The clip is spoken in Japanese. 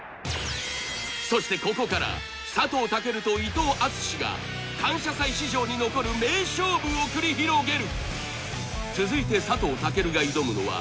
そしてここから佐藤健と伊藤淳史が感謝祭史上に残る名勝負を繰り広げる続いて佐藤健が挑むのは９ｍ